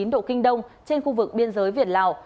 một trăm linh bốn chín độ kinh đông trên khu vực biên giới việt lào